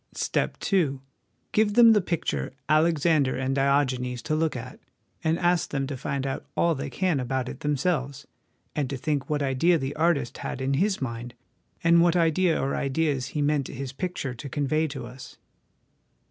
" Step II. Give them the picture ' Alexander and Diogenes' to look at, and ask them to find out all they can about it themselves, and to think what idea the artist had in his mind, and what idea or ideas he meant his picture to convey to us.